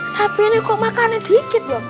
sapi ini kok makannya dikit dong